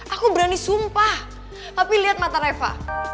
aku berani sumpah tapi lihat mata reva